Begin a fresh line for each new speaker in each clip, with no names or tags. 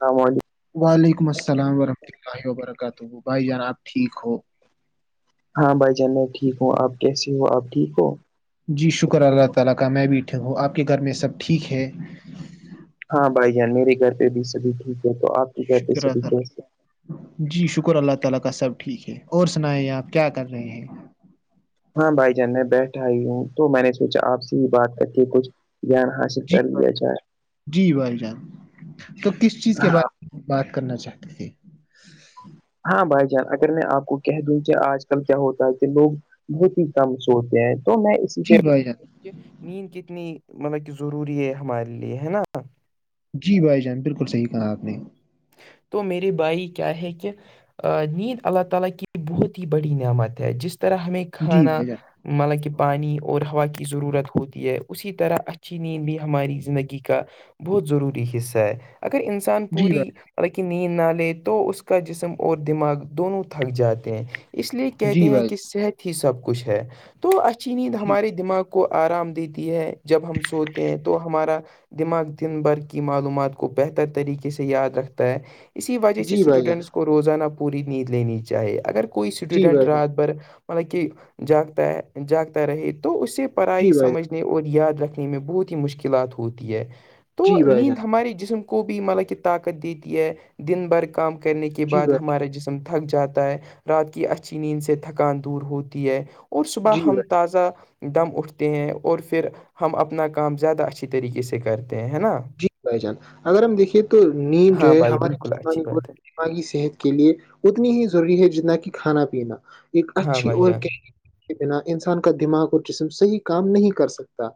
سمج
وعلیکم السلام ورحمۃ اللہ وبرکاتہ بھائی جناب ٹھیک ہو
ہاں بھائی جان میں ٹھیک ہوں آپ کیسے ہو آپ ٹھیک ہو
اگر نہیں شکر اللہ تعالی کا میں بھی ہوں اپ کے گھر میں سب ٹھیک ہے فار ایک
ہاں بھائی جان میرے گھر پہ بھی سبھی ٹھیک ہے تو آپ کے گھر پہ
شکر اللہ
سبھی
تعالیٰ
کیسے ہیں
جی شکر اللہ تعالی کا سب ٹھیک ہے اور سنائیں اپ کیا کر رہے ہیں میں اس
ہاں بھائی جان میں بیٹھائی ہوں تو میں نے سوچا آپ سے ہی بات کرتی ہے کچھ جیان حاصل
جی
کر دیا
بھائی
جائے
جی بھائی جان تو کس چیز کے
ہاں
بارے میں بات کرنا چاہتے تھے
ہاں بھائی جان اگر میں آپ کو کہہ دوں کہ آج کل کیا ہوتا ہے کہ لوگ بہت ہی کم سوتے ہیں تو میں اس
جی بھائی جان
نیند کتنی مطلب کہ ضروری ہے ہمارے لیے ہے نا
جی بھائی جان بالکل صحیح کہا آپ نے
تو میرے بھائی کیا ہے کہ نیند اللہ تعالی کی بہت ہی بڑی نعمت ہے جس طرح ہمیں
جی
کھانا
بھائی جان
ایک ایک لیٹا مطلب کہ پانی اور ہوا کی ضرورت ہوتی ہے اسی طرح اچھی نیند بھی ہماری زندگی کا بہت ضروری حصہ ہے اگر انسان
جی
پوری
بھائی
لکن نیند نہ لے تو اس کا جسم اور دماغ دونوں تھک جاتے ہیں اس لیے
جی
کہتے ہیں
بھائی
کہ صحت ہی سب کچھ ہے تو اچیند ہمارے دماغ کو آرام دیتی ہے جب ہم سوتے ہیں تو ہمارا دماغ دن بھر کی معلومات کو بہتر طریقے سے یاد رکھتا ہے اسی وجہ سے
جی بھائی جان
اسٹوڈینٹس کو روزانہ پوری نیند لینی چاہیے اگر کوئی
جی
اسٹوڈینٹ
بھائی جان
رات بھر مطلب کہ جاگتا ہے جاگتا رہے تو اسے پڑھائی
جی بھائی جان
سمجھ اور یاد رکھنے میں بہت ہی مشکلات ہوتی ہے تو
جی بھائی
نیند
جان
ہمارے جسم کو کو بھی مطلب کہ طاقت دیتی ہے دن بھر کام کرنے کے
جی
بعد
بھائی
ہمارا جس تھک جاتا ہے رات کی اچھی نیند سے تھکان دور ہوتی ہے اور صبح
جی بھائی
ہم تازہ دم اٹھتے ہیں اور پھر ہم اپنا کام زیادہ اچھی طریقے سے کرتے ہیں ہے نا
جی بھائی جان اگر ہم دیکے تو نیم جو
ہاں
ہے
بھائی
ہمارے
بالکل اچھی بات ہے
دای صحت کے لیے اتنی ہی ضروری ہے جتنا کہ کھانا پینا ایک
ہاں
اچھی
بھائی
اور
جان
گری بنا انسان کا دماغ اور جسم صحیح کام نہیں کر سکتا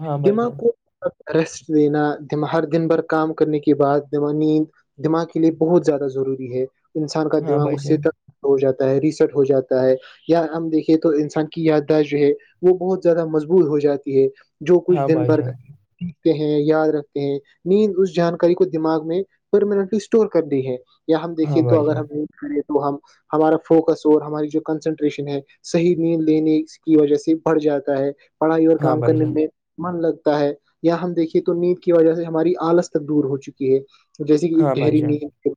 ہاں بھائی جان
ڈمااکیسٹ دینا د ہر دن بھر کام کرنے کے بعد دما نیند دماغ کے لیے بہت زیادہ ضروری ہے انسان کا
ہاں
دماغ
بھائی
اس
جان
سےر ہو جاتا ہے ریسٹ ہو جاتا ہے یا ہم دیکھے تو انسان کی یادداش جو ہے وہ بہت زیادہ مضبط ہو جاتی ہے جو کچھ
ہاں
دن
بھائی
بھر
جان
سیکھتے ہیں یاد رکھتے ہیں نیند اس جانکاری کو دماغ میں پرماننٹلی اسٹور کر دی ہے یا ہم
ہاں
دیکھے تو
بھائی
اگر
جان
ہم کریں تو ہم ہمارا فوکس اور ہماری جو کنسنٹریشن ہے صحی نیند لینے کی وجہ سے بڑ جاتا ہے پڑھائی اور
ہاں
کام
بھائی
کرنے
جان
میں من لگتا ہے یا ہم دیکھیے تو نیند کی وجہ سے ہماری آلس تک دور ہو چکی ہے جیسے کہ
ہاں
ایک
بھائی
گہری
جان
نیند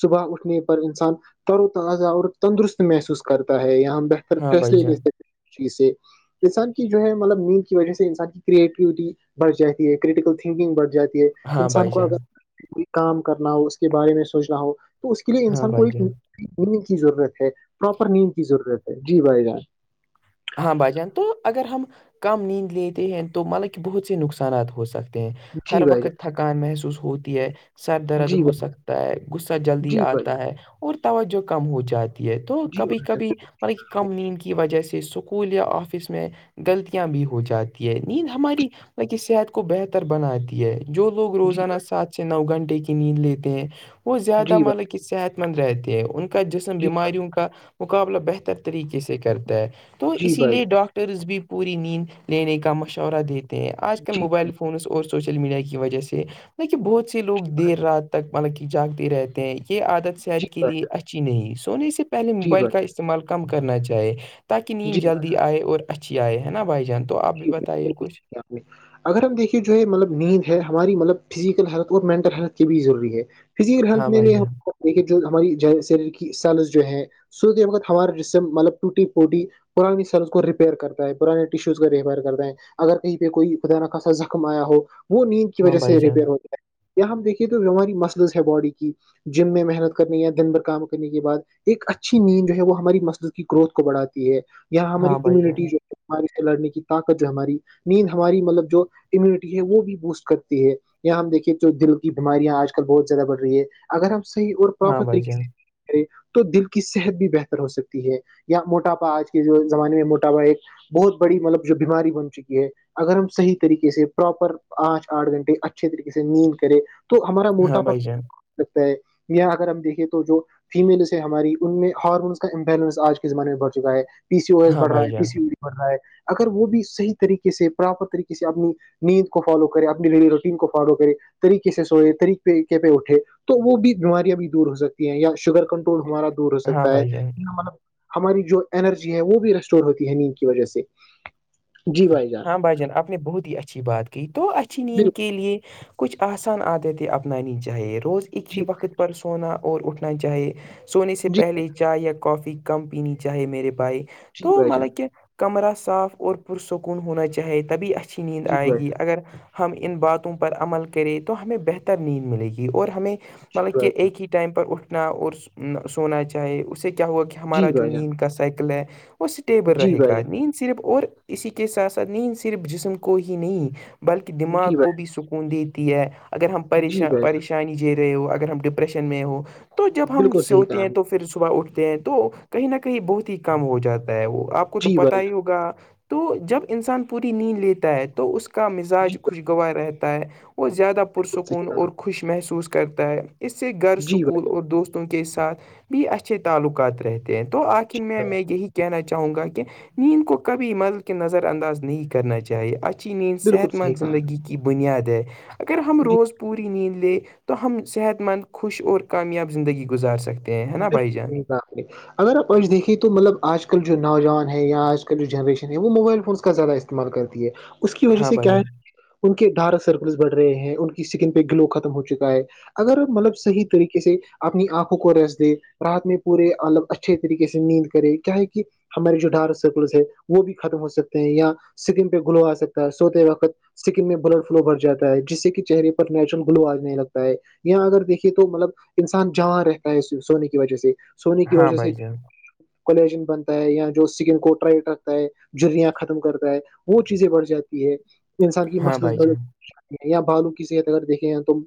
صبح اٹھنے پر انسان تر و تازہ اور تندرست محسوس کرتا ہے یہاں سر
ہاں بھائی
فیصلے لے
جان
سکتے چیز سے انسان کی جو ہے مطلب نیند کی وجہ سے انسان کی کریٹیوٹی بڑھ جاتی ہے کریٹیکل تھنکنگ بڑھ جاتی ہے
ہاں
انسان
بھائی
کو
جان
اگر کو کام کرنا ہو اس کے بارے میں سوچنا ہو تو اس کے لیے
ہاں
انسان کو
بھائی
ایک
جان
نیند کی ضرورت ہے پراپر نیند کی ضرورت ہے جی بھائی جان
ہاں بھائی جان تو اگر ہم کم نیند لیتے ہیں تو مطلب کہ بہت سے نقصانات ہو سکتے ہیں ہر
جی بھائی
وقت
جان
تھکان محسوس ہوتی ہے سر درد
جی
ہو
بھائی
سکتا ہے غصہ جلدی
جی بھائی
آتا
جان
ہے اور توجہ کم ہو جاتی ہے تو کبھی کبھی ملب کم نیند کی وجہ سے اسکول یا آفس میں غلطیاں بھی ہو جاتی ہے نیند ہماری کی صحت کو بہتر بناتی ہے جو لوگ
جی
روزانہ
بھائی
سات سے نو گھنٹے کی نیند لیتے ہیں وہ زیادہ
جان
ملک صحت مند رہتی ہے ان کا جسم
جی بھائی
بیماریوں کا مقابلہ بہتر طریقے سے کرتا ہے تو
جی
اسی
بھائی جی بھائی جی بھائی جی
لیے
بھائی
ڈاکٹر ٹرز بھی پوری نیند لینے کا مشورہ دیتے ہیں آج کل موبائل ف فونس اور سوشل میڈیا کی وجہ سے ل کہ بہت سے لوگ
جی
دیر
بھائی
رات تک مطلب کہ جاگتے رہتے ہیں یہ عادت صحت کے
جی بھائی
لیے اچھی نہیں سونے سے پہلے
جی
موبائل کا
بھائی
استعمال کم کرنا چاہے تاکہ نیند
جی
جلدی آئے اور اچھی آئے ہے نا بھائی جان تو آپ بھی بتائیے کچھ
جی اگر ہم دیکھیے جو ہے مطلب نیند ہے ہماری مطلب فزیکل ہیلتھ اور مینٹل ہیلتھ کے بھی ضروری ہے فزیکل ہیلتھ
ہاں بھائی
میں ہم
جان
دیک ہماری شریر کی سیلز جو ہے سو کے وقت ہمارے جسم مطلب ٹوٹی پوٹی پرانی سرز کو ریپیئر کرتا ہے پرانے ٹیشوز ریپیئر کر دیں اگر کہیں پہ کوئی خدا نہ خاصا زخم آیا ہو وہ نیند کی
ہاں
وجہ
بھائی
سے
جان
ریپیئر ہوتا یا ہم دیکھیے تو جو ہماری مسلس ہے باڈی کی جم میں محنت کرنی یا دن بھر کام کرنے کے بعد ایک اچھی نیند جو ہے وہ ہماری مسل کی گروتھ کو بڑھاتی ہے یہاں ہماری
ہاں بھائی جان
امیونٹی جو ہے بیماری سے لڑنے کی طاقت جو ہماری نیند ہماری مطلب جو امیونٹی ہے وہ بھی بوسٹ کرتی ہے یہاں ہم دیکھیے تو دل کی بیماریاں آج کل بہت زیادہ بڑھ رہی ہے اگر ہم صح اور
ہاں
پراپر
بھائی
طریقے
جان
سے تو دل کی صحت بھی بہتر ہو سکتی ہے یا موٹاپا آج کے جو زمانے میں موٹاپا ایک بہت بڑی مطلب جو بیماری بن چکی ہے اگر ہم صحیح طریقے سے پراپر پانچ آٹھ گھنٹے اچھے طریقے سے نیند کرے تو ہمارا
ہاں
موٹاپا
بھائی جان
لگتا ہے یا اگر ہم دیکھیں تو جو فیمیلس ہے ہماری ان میں ہارمونس کا امبیلنس آج کے زمانے میں بڑھ چکا ہے پی سی او ایس
ہاں
بڑھ رہا
بھائی
ہے پی
جان
سی او ڈی بڑ رہا ہے اگر وہ بھی صحیح طریقے سے پراپر طریقے سے اپنی نیند کو فالو کرے اپنی ڈیلی روٹین کو فالو کرے طریقے سے سوئے طریق طقے پہ اٹھے تو وہ بھی بیماریاں بھی دور ہو سکتی ہیں یا شوگر کنٹ ہمارا دور ہو
ہاں
سکتا ہے
بھائی جان
یہ مطلب ہماری جو انرجی ہے وہ بھی ریسٹور ہوتی ہے نیند کی وجہ سے جی بھائی جان
بھاجن آپ نے بہت ہی اچھی بات کی تو اچھی نیند
بالکل
کے لیے کچھ آسان عادتیں اپنانی چاہیے روز ایک ہی
جی
وقت پر سونا اور اٹھنا چاہیے سونے سے
جی
پہلے چائے یا کافی کم پینی چاہے میرے بائی
جی
تو
بھائی جان
مل کیا کمرہ صاف اور پرسکون ہونا چاہے تبھی اچھی نیند
جی
آئے
بھائی
گی
جان
اگر ہم ان باتوں پر عمل کریں تو ہمیں بہتر نیند ملے گی اور ہمیں مطلب کہ ایک ہی ٹائم پر اٹھنا اور سونا چاہے اس سے کیا ہوا کہ
جی
ہمارا جو
بھائی جان
نیند کا سائیکل ہے وہ اسٹیبل
جی
رہے
بھائی
گا
جان
نیند صرف اور اسی کے ساتھ ساتھ نیند صرف جسم کو ہی نہیں بلکہ دماغ
جی بھائی جان جی
کو
بھائی
بھی سکون دیتی ہے اگر ہم پش
جی بھائی جان
پریشانی جی رہے ہو اگر ہم ڈپریشن میں ہو تو جب ہم
بالکل
س
صحیح
ہوتے
کہا
ہیں
ہم
تو
نے
پ پھر صبح اٹھتے ہیں تو کہیں نہ کہیں بہت ہی کم ہو جاتا ہے وہ آپ کو تو
جی بھائی
پتا ہی ہوگا تو جب انسان پوری نیند لیتا ہے تو اس کا
جان جی
مزاج خوش
بھائی
گواہ رہتا ہے وہ زیادہ پرسکون
جان، بالکل صحیح کہا
اور
آپ
خوش محسوس کرتا ہے اس سے گھر
نے۔ جی بھائی
سکول
جان
اور دوستوں کے ساتھ بھی اچھے تعلقات رہتے تو آخر
جی
میں
بھائی جان،
میں یہی کہنا چاہوں گا کہ نیند کو کبھی مل کے نظر انداز نہیں کرنا چاہے اچی می
بالکل
صحت
صحیح
مند
کہا آپ نے۔
زندگی کی بنیاد ہے اگر ہم
جی
روز پوری نیند لیں تو ہم صحت مند خوش اور کامیاب زندگی گزار سکتے ہیں ہے نا بھائی جان
بالکل اگر آپ آج دیکھییں تو مطلب آج کل جو نوجان ہیں یا آج کل جو جنریشن ہے وہ موبائل فون کا راہ ہے استعمال کرتی ہے اس کی وجہ
ہاں
سے
بھائی
کیا ہے
جان
ان کے ڈھارک سرکلس بڑھ رہے ہیں ان کی اسکن پہ گلو ختم ہو چکا ہے اگر مطلب صحیح طریقے سے اپنی آنکھوں کو ریس رات میں پورے مطلب اچھے طریقے سے نیند کرے کیا ہے کہ ہمارے جو ڈار سرکلس ہے وہ بھی ختم ہو سکتے ہیں یا سکم پہ گلو آ سکتا ہے سوتے وقت سکن میں بلڈ فلو بھر جاتا ہے جس سے کہ چہرے پر نیچرل گلو آجنے لگتا ہے یا اگر دیکھیے تو مطلب انسان جاں رہتا ہے سونے کی وجہ سے سونے کی
ہاں
وجہ سے
بھائی جان
کالجن بنتا ہے یا جو سکم کو ٹرائڈ رکھتا ہے جریاں ختم کرتا ہے وہ چیزیں بڑھ جاتی ہے انسان کی
ہاں
مسل
بھائی جان
یہیااں بھالو کی صحت اگر دیکھے ہیں تو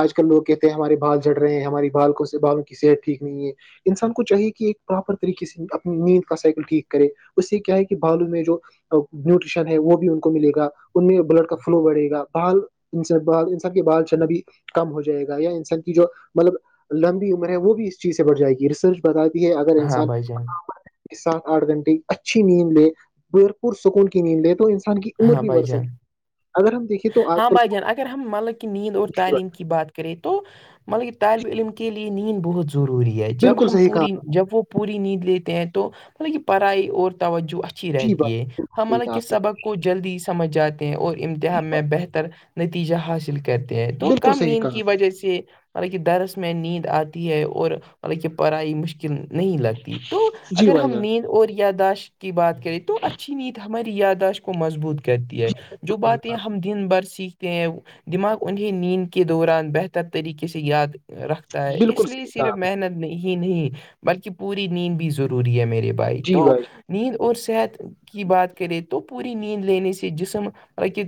آج کل لوگ کہتے ہیں ہمارے بھال جڑ رہے ہیں ہماری بال کو سے بھالو صحت ٹھیک نہیں ہے انسان کو چاہیے کہ ایک پراپر طریقے سے اپنی نیند کا سائیکل ٹھیک کرے اس سے کیا ہے کہ بالو میں جو نیوٹریشن ہے وہ بھی ان کو ملے گا ان میں بلڈ کا فلو بڑے گا بال ان بال انسان کے بال چنا بھی کم ہو جائے گا یا انسان کی جو مطلب لمبی ہے وہ بھی اس چیز سے بڑھ جائے گی ریسرچ بتاتی ہے اگر
ہاں
انسان
بھائی جان
سات آٹھ گھنٹے اچھی نیند لے بھرپور سکول کی نیند لے تو ان کی عمر
ہاں
بھی
بھائی
بر
جان
سکتی اگر تو آج
ہاں بھائی جان اگر ہم مطلب کہ نیند اور
کل
تعلیم کی بات کریں تو مطلب طالب علم کے لیے نیند بہت ضروری ہے جب
بالکل
ہم
صحیح کہا
پوری
آپ
جب وہ پوری نیند لیتے ہیں تو مطلب کہ پڑھائی اور توجہ اچھی
جی بات
رہتی ہے ہم
صحیح
مطلب
کہا
کہ
آپ نے
سبق کو جلدی سمجھ جاتے ہیں اور امتہ میں بہتر نتیجہ حاصل کہتے ہیں تو
بالکل
کم
صحیح
نیند
کہا
کی
آپ نے
وجہ سے مطلب کہ درس میں نیند آتی ہے اور مطلب کہ پڑھائی مشکل نہیں لگتی تو
جی
اگر
بھائی
ہم
جان
نیند اور یاداشت کی بات کریں تو اچھی نیند ہماری یاداشت کو مضبوط کرتی ہے جو
بالکل صحیح
بات
کہا
یہ
آپ
ہم دن بھر سیکھتے ہیں دماغ انہیں نیند کے دوران بہتر طریقے سے یاد رکھتے
نے، بالکل
اس لیے
صحیح کہا
صرف
آپ نے
محنت نہیں بلکہ پوری نیند بھی ضروری ہے میرے بھائی
جی
تو
جان،
نیند اور صحت کی بات کرے تو پوری نیند لینے سے جسم کہ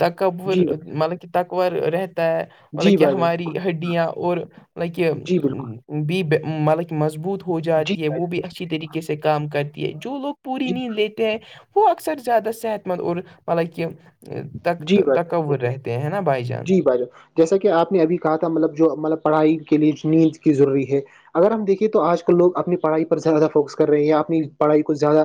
تکور
جی
مطلب کہ تکبور رہتا ہے مطلب کہ
بھائی جان جی بھائی جان
ہماری ہڈیاں اور مطلب کہ
جی بالکل
بی مطلب کہ مضبوط ہو
جی
جاتی ہے
بھائی
وہ بھی
جان
اچھی طریقے سے کام کرتی ہے جو لوگ پوری
جی
نیند لیتے ہیں وہ اکثر زیادہ صحت مند اور مطلب کہ
جی بھائی جان
تکور رہتے ہیں نا بھائی جان
جی تو جیسا کہ آپ نے ابھی کہا تھا مطلب جو مطلب پڑھائی کے لیے نیند کی ضروری ہے اگر ہم دیکے تو آج کل لوگ اپنی پڑھائی پر زیادہ فوکس کر رہے ہیں یا اپنی پڑھائی کو زیادہ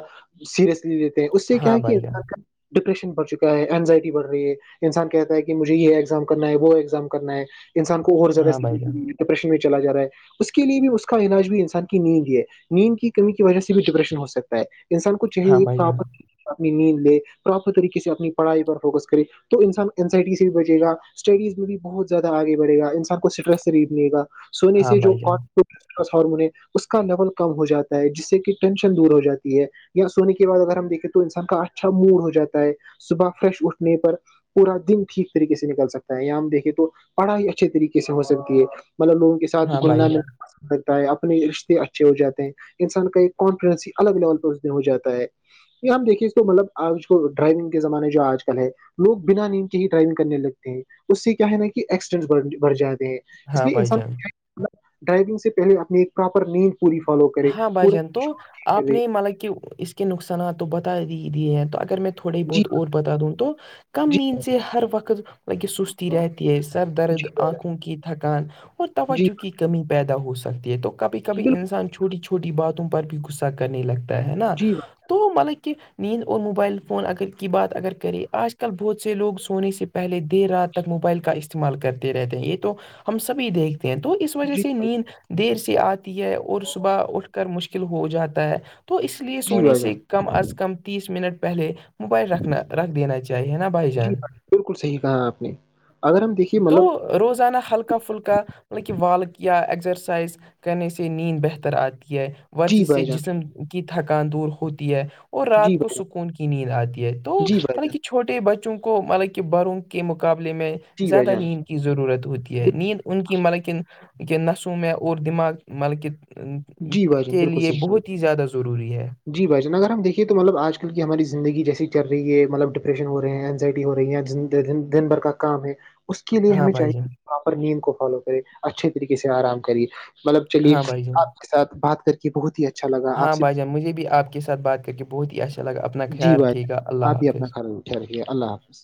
سیریسلی دیتے ہیں اس سے کیا
ہاں
کیا
بھائی جان
ان ڈپریشن بڑھ چکا ہے اینزائٹی بڑ رہی ہے انسان کہتا ہے کہ مجھے یہ کرنا ہے وہ ایزام کرنا ہے انسان کو اور زیادہ
ہاں بھائی جان
ڈپریشن میں چلا جا رہا ہے اس کے لیے بھی اس کا علاج بھی انسان کی نیند ہے نیند کی کمی کی وجہ سے بھی ڈپریشن ہو سکتا ہے انسان کو کچھاہ
ہاں بھائی جان
پراپت اپنی نیند لے پراپر طریقے سے اپنی پڑھائی پر فوکس کرے تو انسان اینزائٹی سے بھی بچے گا اسٹڈیز میں بھی بہت زیادہ آگے بڑے گا انسان کو اسٹریس فریف ملے سونے
ہاں
سے
بھائی
جوٹ
جان
ہارمونیم اس کا لیول کم ہو جاتا ہے جس سے کہ ٹینشن دور ہو جاتی ہے یا سونے کے بعد اگر ہم دیکھیں تو انسان کا اچھا موڈ ہو جاتا ہے صبح فریش اٹھنے پر پورا دن ٹھیک طریق سے نکل سکتا یہاں ہم دیکھے تو پڑھائی اچھے طریقے سے ہو سکتی ہے مطلب لوگوں کے ساتھ
ہاں بھائی
گھلنا
جان
لگتا ہے اپنے رشتے اچھے ہو جاتے ہیں انسان کا ایک کانفیڈینس ہی الگ لیول پ اس دن ہو جاتا ہے یہ ہم دیکھیے اس کو مطلب آج کو ڈرائیونگ کے زمانے جو آج کل ہے لوگ بنا نیند کے ہی ڈرائیونگ کرنے لگتے ہیں اس سے کیا ہے نا کہ ایکسڈینس بڑ جاتے ہیں اس
ہاں
لیے
بھائی
انسان
جان
کو ڈرائیونگ سے پہلے اپنی ایک پراپر نیند پوری فالو کرے پورا کرے
مطب کہ اس کے نقصانات تو بتا ہی دیے ہیں تو اگر میں تھوڑے ہی
جی
بہت اور بتا دوں تو کم
جی
نیند سے ہر وقت سستی رہتی ہے سر درد آنکھوں کی تھکان اور
جی بھائی
توجہ
جان
کی کمی پیدا ہو سکتی ہے تو کبھی
جی
کبھی
بالکل
انسان چھوٹی چھوٹی چھوٹی باتوں پر بھی غصہ کرنے لگتا ہے نا
جی بھائی
تو مطلب کہ نیند اور موبائل فون اگر کی بات اگر کرے آج کل بہت سے لوگ سونے سے پہلے دیر رات تک موبائل کا استعمال کرتے رہتے ہیں یہ تو ہم سبھی دیکھتے ہیں تو اس وجہ
جی
سے
بھائی
نیند دیر سے آتے ہے اور صبح اٹھ کر مشکل ہو جاتا ہے تو اس لیے
جی
سونے
بھائی
سے
جان
کم از کم کم تیس منٹ پہلے موبائلکھ رکھ دینا چاہیے نا بھائی
جی
جان
بالکل صحیح کہا آپ نے اگر ہم دیکھیے
تو
مطلب
روزانہ ہلکا فھلکا کا مطلب کہ والک یا ایکسرسائز کرنے سے نیند بہتر آتی ہے
جی
ورزش سے
بھائی جان
جسم کی تھکان دور ہوتی ہے اور
جی
رات کو
بھائی
سکون کی نیند آتی ہے تو
جان جی بھائی جان
مطلب چھوٹے بچوں کو مطلب کہ بڑوں کے مقابلے میں
جی بھائی
زیادہ
جان
نیند کی ضرورت ہوتی ہے نیند ان کی مطلب کہ کہ نسوں میں اور دماغ مطلب کہ
جی بھائی جان
کے
بالکل
لیے
صحیح کہا آپ نے۔
بہت ہی زیادہ ضروری ہے
جی بھائیان اگر ہم دیکھیے تو مطلب آج کل کی ہماری زندگیسی چل رہی ہے مطلب ڈپریشن ہو رہ ہیں اینزائٹی ہو رہی دن بھر کا کام ہے اس کے لیے
ہاں
ہمیں
بھائی
چاہیے
جان
پراپر نیم کو فالو کرے اچھے طریقے سے آرام کریے مطلب چلیے
ہاں بھائی جان
آپ کے ساتھ بات کر کے بہت ہی اچھا لگا آپ
ہاں
سے
بھائیجان مجھ بھی آپ کے ساتھ بات کر کے بہت ہی اچھا لگا اپنا
جی
خیال
بائی
رکھیے گا
آپ
اللہ
بھی
حافظ
اپنا خھرل اٹھے رہیے اللہ حافظ